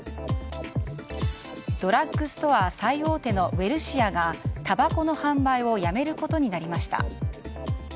ドラッグストア最大手のウエルシアがたばこの販売をやめることになりました。